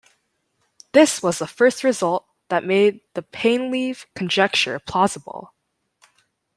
This was the first result that made the Painleve conjecture plausible.